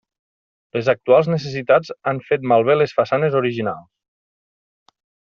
Les actuals necessitats han fet malbé les façanes originals.